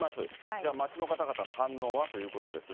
じゃあ、街の方々の反応はということですが。